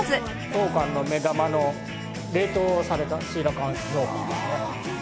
当館の目玉の冷凍されたシーラカンス標本ですね。